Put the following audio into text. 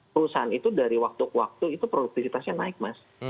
perusahaan itu dari waktu ke waktu itu produktivitasnya naik mas